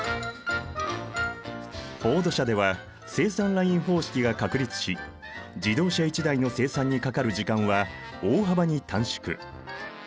フォード社では生産ライン方式が確立し自動車１台の生産にかかる時間は大幅に短縮。